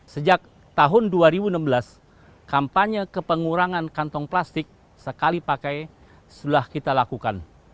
sejak tahun dua ribu enam belas kampanye kepengurangan kantong plastik sekali pakai sudah kita lakukan